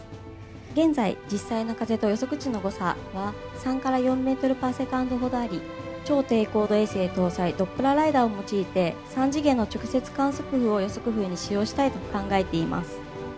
現在、実際の風と予測値の誤差は、３から４メートルパーセカンドほどあり、超低高度衛星搭載、ドップラーライダーを用いて、３次元の直接観測風を予測風に使用したいと考えております。